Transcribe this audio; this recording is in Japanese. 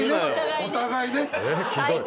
お互いね。